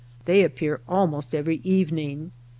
They appear almost every evening.